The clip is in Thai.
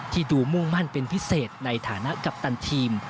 ดูมุ่งมั่นเป็นพิเศษในฐานะกัปตันทีม